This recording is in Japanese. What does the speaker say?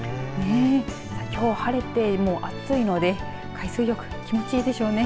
きょう晴れて暑いので海水浴は気持ちいいでしょうね。